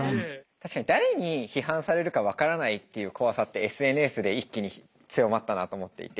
確かに誰に批判されるか分からないっていう怖さってＳＮＳで一気に強まったなと思っていて。